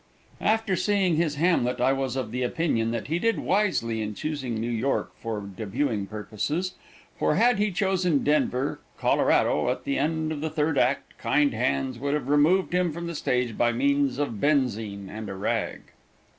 After seeing his Hamlet I was of the opinion that he did wisely in choosing New York for debutting purposes, for had he chosen Denver, Colorado, at the end of the third act kind hands would have removed him from the stage by means of benzine and a rag.